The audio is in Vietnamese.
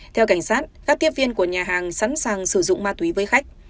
theo cảnh sát các tiếp viên của nhà hàng sẵn sàng sử dụng ma túy với khách